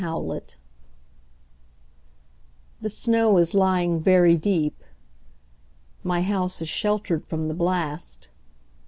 Convention THE SNOW is lying very deep.My house is sheltered from the blast.